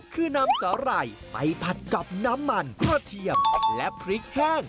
คือนำสาหร่ายไปผัดกับน้ำมันกระเทียมและพริกแห้ง